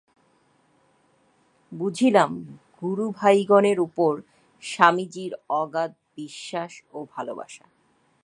বুঝিলাম, গুরুভাইগণের উপর স্বামীজীর অগাধ বিশ্বাস ও ভালবাসা।